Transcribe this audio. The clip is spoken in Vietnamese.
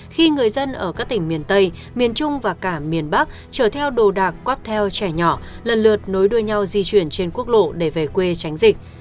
khi người dân ở các tỉnh miền tây miền trung và cả miền bắc chở theo đồ đạc quáp theo trẻ nhỏ lần lượt nối đuôi nhau di chuyển trên quốc lộ để về quê tránh dịch